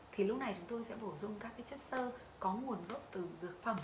thì lúc này chúng tôi sẽ bổ sung các chất sơ có nguồn gốc từ dược phẩm